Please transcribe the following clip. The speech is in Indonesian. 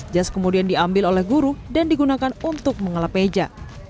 jas kemudian diambil oleh guru dan digunakan untuk mengelap meja